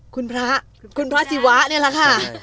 คุณพระคุณพระศิวะนี่แหละค่ะ